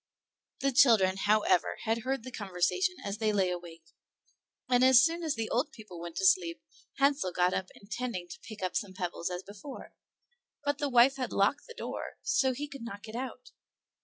The children, however, had heard the conversation as they lay awake, and as soon as the old people went to sleep Hansel got up intending' to pick up some pebbles as before; but the wife had locked the door, so that he could not get out.